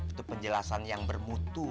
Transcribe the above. itu penjelasan yang bermutu